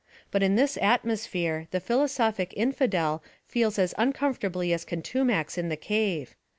But in this atmosphere, the philosophic infidel fee's as uncomfortably as Contumax in the cave.